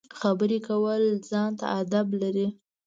خبرې کول ځان ته اداب لري.